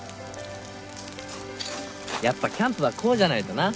やっぱキャンプはこうじゃないとな。